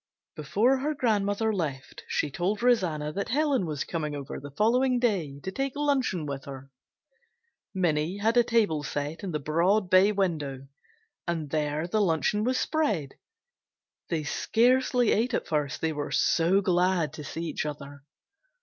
Before her grandmother left, she told Rosanna that Helen was coming over the following day to take luncheon with her. Minnie had a table set in the broad bay window, and there the luncheon was spread. They scarcely ate at first, they were so glad to see each other.